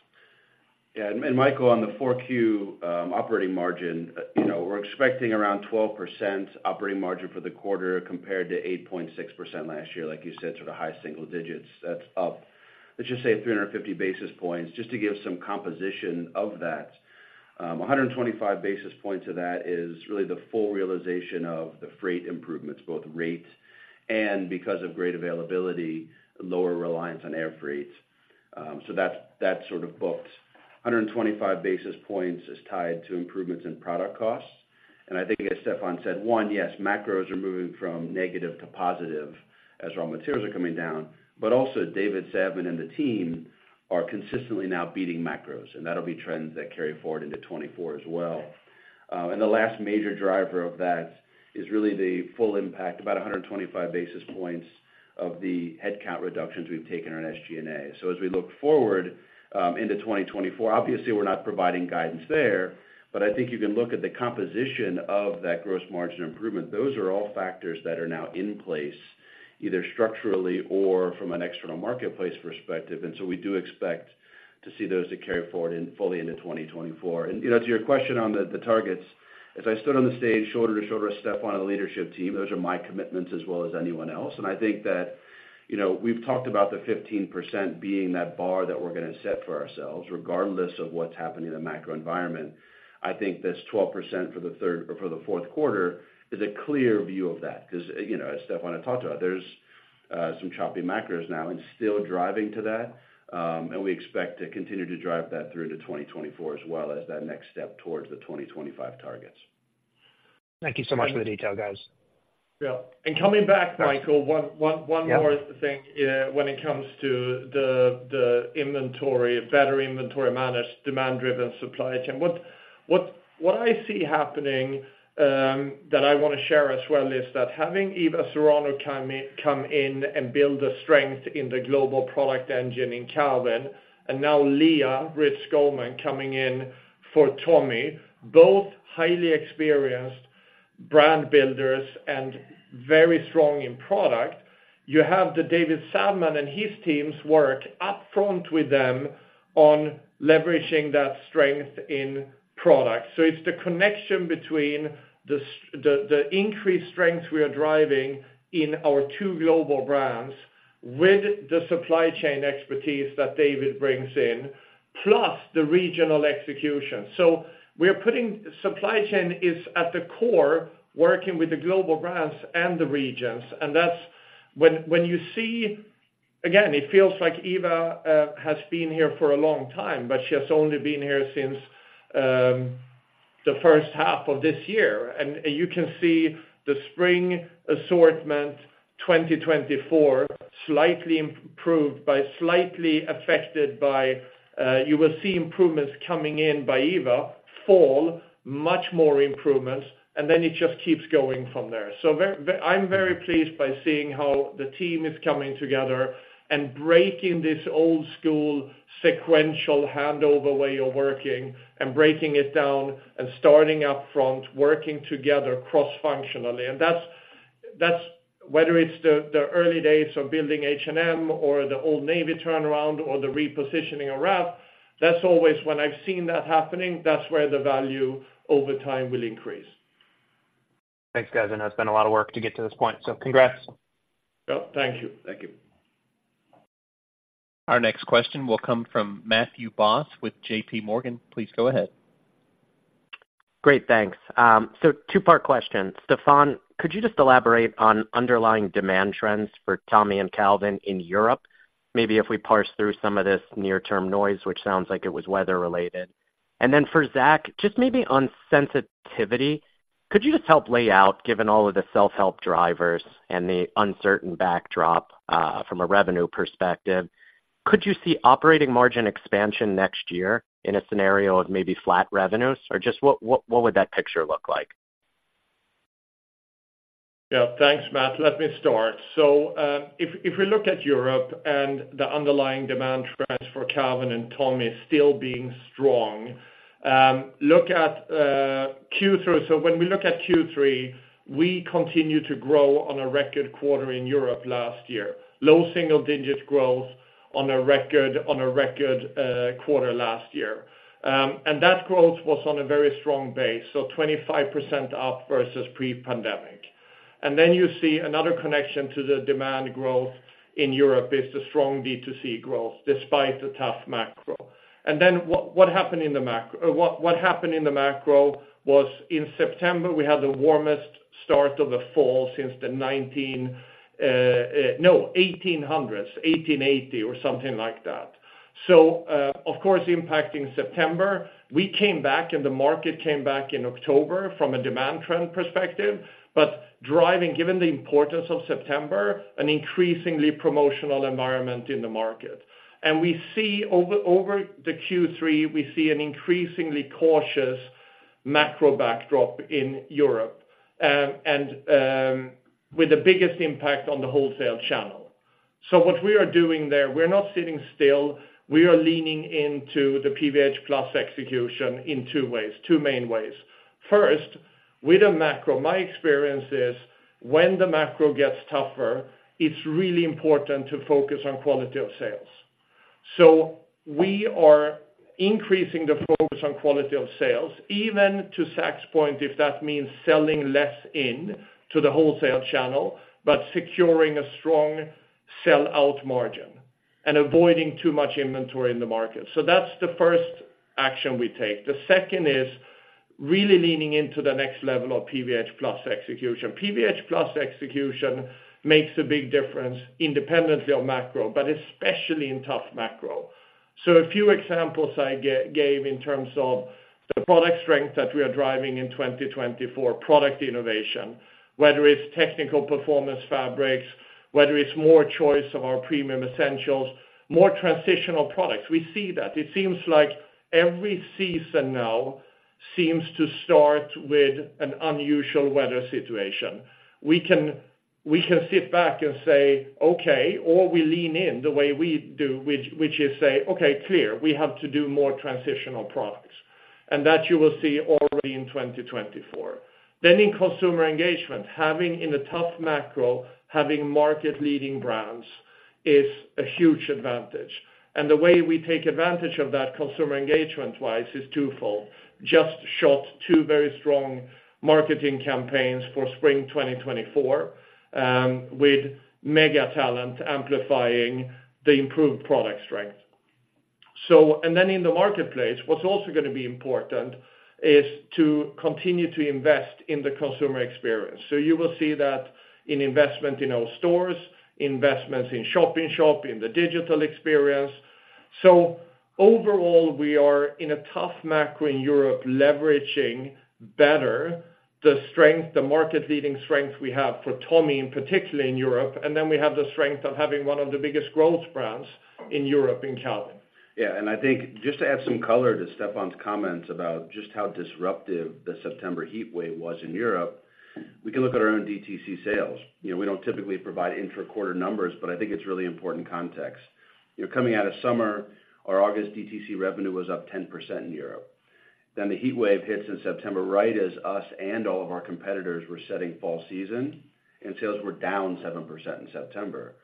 Yeah, and, and Michael, on the Q4 operating margin, you know, we're expecting around 12% operating margin for the quarter, compared to 8.6% last year. Like you said, sort of high single digits. That's up, let's just say, 350 basis points, just to give some composit of 125 basis points of that is really the full realization of the freight improvements, both rate and because of great availability, lower reliance on air freight. So that's, that's sort of booked. A hundred and twenty-five basis points is tied to improvements in product costs. I think as Stefan said, one, yes, macros are moving from negative to positive as raw materials are coming down, but also David Savman and the team are consistently now beating macros, and that'll be trends that carry forward into 2024 as well. And the last major driver of that is really the full impact, about 125 basis points of the headcount reductions we've taken on SG&A. So as we look forward into 2024, obviously, we're not providing guidance there, but I think you can look at the composition of that gross margin improvement. Those are all factors that are now in place, either structurally or from an external marketplace perspective, and so we do expect to see those that carry forward in fully into 2024. You know, to your question on the targets, as I stood on the stage, shoulder to shoulder with Stefan and the leadership team, those are my commitments as well as anyone else. I think that, you know, we've talked about the 15% being that bar that we're gonna set for ourselves, regardless of what's happening in the macro environment. I think this 12% for the third or for the fourth quarter is a clear view of that, because, you know, as Stefan had talked about, there's some choppy macros now and still driving to that, and we expect to continue to drive that through to 2024 as well as that next step towards the 2025 targets.... Thank you so much for the detail, guys. Yeah, and coming back, Michael, one more thing, when it comes to the inventory, better inventory management, demand-driven supply chain. What I see happening, that I want to share as well, is that having Eva Serrano come in and build a strength in the global product engine in Calvin, and now Lea Rytz Goldman coming in for Tommy, both highly experienced brand builders and very strong in product. You have the David Savman and his team's work up front with them on leveraging that strength in product. So it's the connection between the increased strength we are driving in our two global brands with the supply chain expertise that David brings in, plus the regional execution. So we're putting supply chain is at the core, working with the global brands and the regions, and that's when, when you see, again, it feels like Eva has been here for a long time, but she has only been here since the first half of this year. And you can see the spring assortment, 2024, slightly improved by, slightly affected by, you will see improvements coming in by Eva, fall, much more improvements, and then it just keeps going from there. So I'm very pleased by seeing how the team is coming together and breaking this old school, sequential, handover way of working and breaking it down and starting up front, working together cross-functionally. That's whether it's the early days of building H&M or the Old Navy turnaround or the repositioning of Ralph, that's always when I've seen that happening, that's where the value over time will increase. Thanks, guys. I know it's been a lot of work to get to this point, so congrats. Well, thank you. Thank you. Our next question will come from Matthew Boss with JPMorgan. Please go ahead. Great, thanks. So two-part question. Stefan, could you just elaborate on underlying demand trends for Tommy and Calvin in Europe? Maybe if we parse through some of this near-term noise, which sounds like it was weather-related. And then for Zac, just maybe on sensitivity, could you just help lay out, given all of the self-help drivers and the uncertain backdrop, from a revenue perspective, could you see operating margin expansion next year in a scenario of maybe flat revenues? Or just what, what, what would that picture look like? Yeah. Thanks, Matt. Let me start. So, if we look at Europe and the underlying demand trends for Calvin and Tommy still being strong, look at Q3. So when we look at Q3, we continue to grow on a record quarter in Europe last year. Low single digit growth on a record quarter last year. And that growth was on a very strong base, so 25% up versus pre-pandemic. And then you see another connection to the demand growth in Europe is the strong B2C growth, despite the tough macro. And then what happened in the macro was in September, we had the warmest start of the fall since the eighteen hundreds, eighteen eighty, or something like that. So, of course, impacting September, we came back, and the market came back in October from a demand trend perspective, but driving, given the importance of September, an increasingly promotional environment in the market. And we see over the Q3 an increasingly cautious macro backdrop in Europe, and with the biggest impact on the wholesale channel. So what we are doing there, we're not sitting still; we are leaning into the PVH+ execution in two main ways. First, with the macro, my experience is when the macro gets tougher, it's really important to focus on quality of sales. So we are increasing the focus on quality of sales, even to Zac's point, if that means selling less into the wholesale channel, but securing a strong sell-out margin and avoiding too much inventory in the market. So that's the first action we take. The second is really leaning into the next level of PVH+ execution. PVH+ execution makes a big difference independently of macro, but especially in tough macro. So a few examples I gave in terms of the product strength that we are driving in 2024, product innovation, whether it's technical performance fabrics, whether it's more choice of our premium essentials, more transitional products. We see that. It seems like every season now seems to start with an unusual weather situation. We can, we can sit back and say, okay, or we lean in the way we do, which is say, "Okay, clear, we have to do more transitional products." And that you will see already in 2024. Then in consumer engagement, having in a tough macro, having market-leading brands is a huge advantage. The way we take advantage of that, consumer engagement-wise, is twofold. Just shot two very strong marketing campaigns for Spring 2024 with mega talent amplifying the improved product strength. So, and then in the marketplace, what's also gonna be important is to continue to invest in the consumer experience. So you will see that in investment in our stores, investments in shopping shop, in the digital experience. So overall, we are in a tough macro in Europe, leveraging better the strength, the market-leading strength we have for Tommy, and particularly in Europe. And then we have the strength of having one of the biggest growth brands in Europe, in Calvin. Yeah, and I think just to add some color to Stefan's comments about just how disruptive the September heat wave was in Europe, we can look at our own DTC sales. You know, we don't typically provide intra-quarter numbers, but I think it's really important context. You know, coming out of summer, our August DTC revenue was up 10% in Europe. Then the heat wave hits in September, right as us and all of our competitors were setting fall season, and sales were down 7% in September.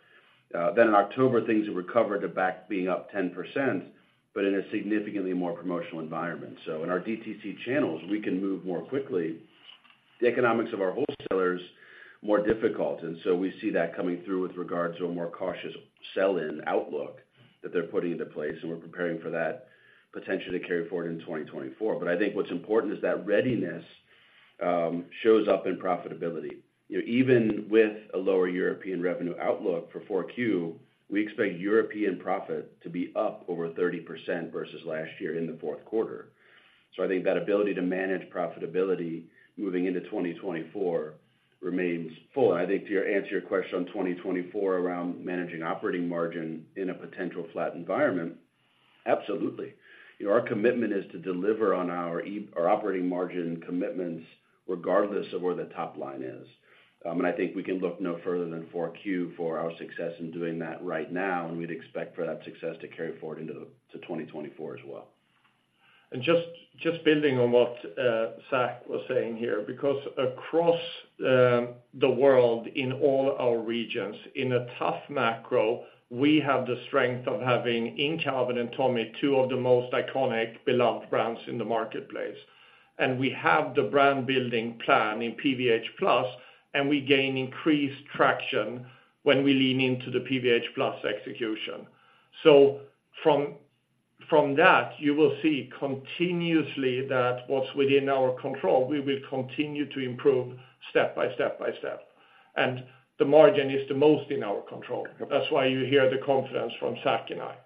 Then in October, things recovered to back being up 10%, but in a significantly more promotional environment. So in our DTC channels, we can move more quickly. The economics of our wholesalers, more difficult, and so we see that coming through with regards to a more cautious sell-in outlook that they're putting into place, and we're preparing for that potentially to carry forward in 2024. But I think what's important is that readiness shows up in profitability. You know, even with a lower European revenue outlook for Q4, we expect European profit to be up over 30% versus last year in the fourth quarter. So I think that ability to manage profitability moving into 2024 remains full. I think to your answer, your question on 2024 around managing operating margin in a potential flat environment, absolutely. You know, our commitment is to deliver on our our operating margin commitments, regardless of where the top line is. I think we can look no further than Q4 for our success in doing that right now, and we'd expect for that success to carry forward into 2024 as well. And just, just building on what Zac was saying here, because across the world, in all our regions, in a tough macro, we have the strength of having in Calvin and Tommy, two of the most iconic, beloved brands in the marketplace. And we have the brand building plan in PVH+, and we gain increased traction when we lean into the PVH+ execution. So from, from that, you will see continuously that what's within our control, we will continue to improve step by step by step, and the margin is the most in our control. That's why you hear the confidence from Zac and I.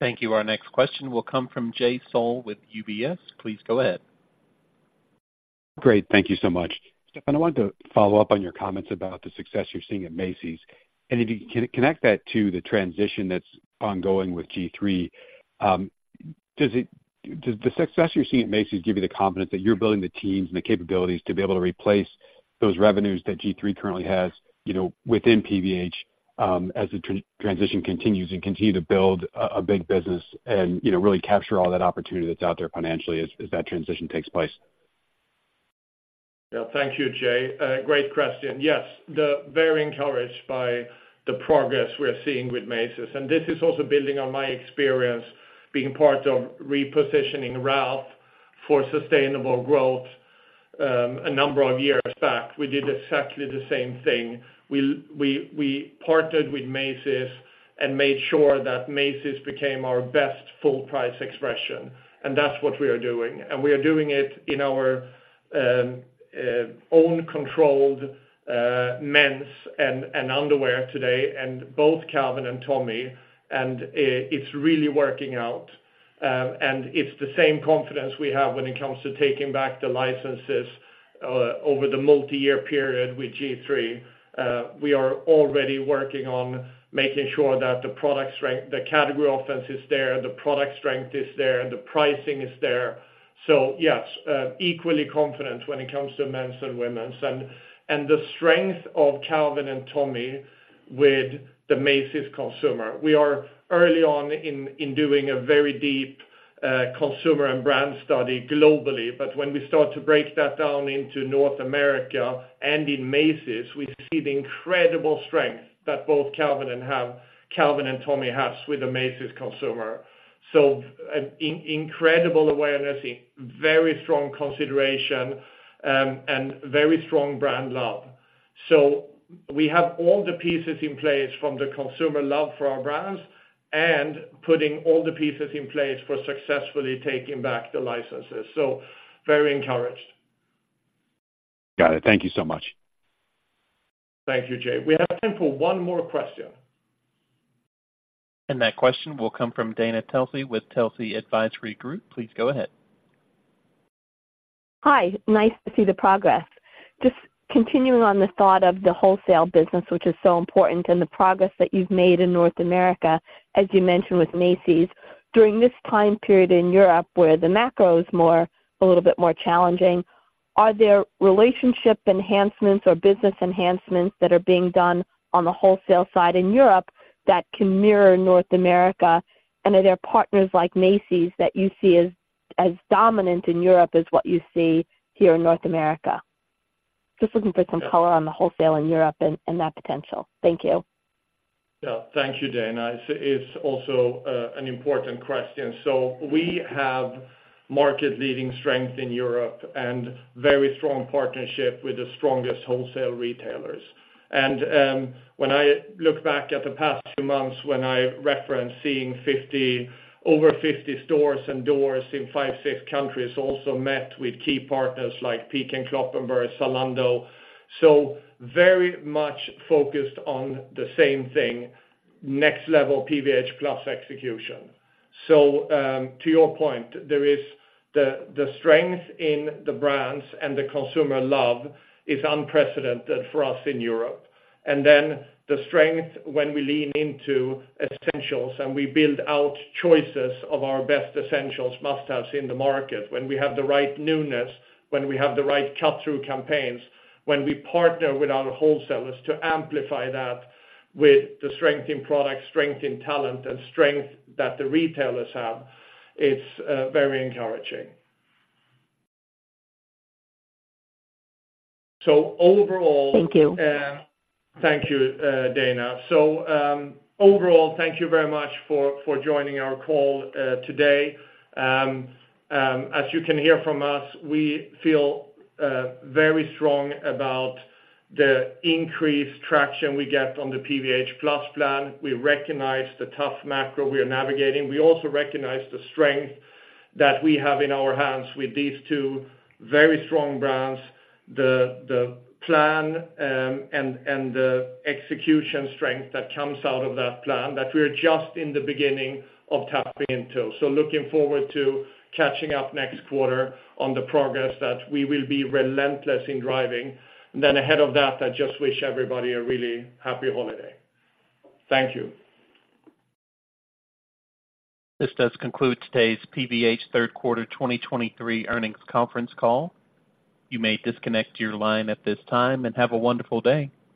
Thank you. Our next question will come from Jay Sole with UBS. Please go ahead. Great. Thank you so much. Stefan, I wanted to follow up on your comments about the success you're seeing at Macy's, and if you can, connect that to the transition that's ongoing with G-III. Does the success you're seeing at Macy's give you the confidence that you're building the teams and the capabilities to be able to replace those revenues that G-III currently has, you know, within PVH, as the transition continues and continue to build a big business and, you know, really capture all that opportunity that's out there financially as that transition takes place? Yeah. Thank you, Jay. Great question. Yes, we're very encouraged by the progress we're seeing with Macy's, and this is also building on my experience being part of repositioning Old Navy for sustainable growth a number of years back. We did exactly the same thing. We partnered with Macy's and made sure that Macy's became our best full price expression, and that's what we are doing. We are doing it in our own controlled men's and underwear today, and both Calvin and Tommy, and it's really working out. It's the same confidence we have when it comes to taking back the licenses over the multi-year period with G-III. We are already working on making sure that the product strength, the category offering is there, the product strength is there, the pricing is there. So yes, equally confident when it comes to men's and women's. And, and the strength of Calvin and Tommy with the Macy's consumer. We are early on in doing a very deep consumer and brand study globally, but when we start to break that down into North America and in Macy's, we see the incredible strength that both Calvin and have—Calvin and Tommy has with the Macy's consumer. So, incredible awareness, a very strong consideration, and very strong brand love. So we have all the pieces in place from the consumer love for our brands, and putting all the pieces in place for successfully taking back the licenses. So very encouraged. Got it. Thank you so much. Thank you, Jay. We have time for one more question. That question will come from Dana Telsey with Telsey Advisory Group. Please go ahead. Hi. Nice to see the progress. Just continuing on the thought of the wholesale business, which is so important, and the progress that you've made in North America, as you mentioned, with Macy's. During this time period in Europe, where the macro is more, a little bit more challenging, are there relationship enhancements or business enhancements that are being done on the wholesale side in Europe that can mirror North America? And are there partners like Macy's that you see as, as dominant in Europe as what you see here in North America? Just looking for some color on the wholesale in Europe and, and that potential. Thank you. Yeah. Thank you, Dana. It's also an important question. So we have market leading strength in Europe and very strong partnership with the strongest wholesale retailers. And when I look back at the past two months, when I referenced seeing 50, over 50 stores and doors in five six countries, also met with key partners like Peek & Cloppenburg, Zalando. So very much focused on the same thing, next level PVH+ execution. So to your point, there is the strength in the brands and the consumer love is unprecedented for us in Europe. And then the strength when we lean into essentials, and we build out choices of our best essentials must-haves in the market, when we have the right newness, when we have the right cut-through campaigns, when we partner with our wholesalers to amplify that with the strength in product, strength in talent, and strength that the retailers have, it's very encouraging. So overall- Thank you. Thank you, Dana. So, overall, thank you very much for joining our call today. As you can hear from us, we feel very strong about the increased traction we get on the PVH+ Plan. We recognize the tough macro we are navigating. We also recognize the strength that we have in our hands with these two very strong brands, the plan, and the execution strength that comes out of that plan that we're just in the beginning of tapping into. So looking forward to catching up next quarter on the progress that we will be relentless in driving. And then ahead of that, I just wish everybody a really happy holiday. Thank you. This does conclude today's PVH Third Quarter 2023 Earnings Conference Call. You may disconnect your line at this time and have a wonderful day.